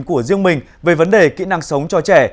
của riêng mình về vấn đề kỹ năng sống cho trẻ